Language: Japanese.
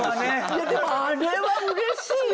いやでもあれはうれしいよ。